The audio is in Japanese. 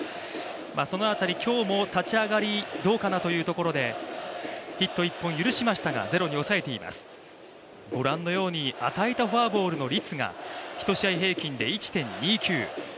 その辺り今日も、立ち上がりどうかなというところで、ヒット１本打たれましたが０に抑えています、ご覧のように与えたフォアボールの率が一試合平均で１．２９。